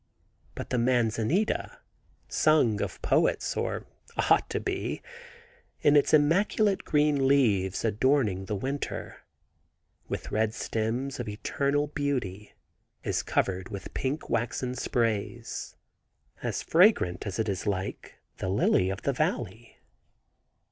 But the manzanita—sung of poets, or ought to be—in its immaculate green leaves adorning the winter, with red stems of eternal beauty, is covered with pink waxen sprays, as fragrant, as it is like, the lily of the valley.